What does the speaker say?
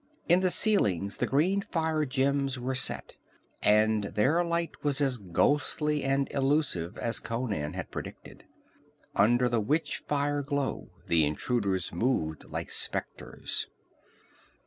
In the ceilings the green fire gems were set, and their light was as ghostly and illusive as Conan had predicted. Under the witch fire glow the intruders moved like specters.